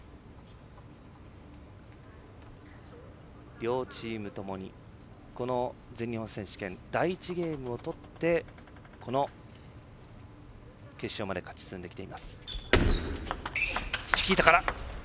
両チームともに全日本選手権第１ゲームを取ってこの決勝まで勝ち進んできています。